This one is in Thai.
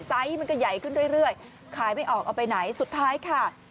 ไซส์มันก็ใหญ่ขึ้นเรื่อยเรื่อยขายไม่ออกออกไปไหนสุดท้ายค่ะ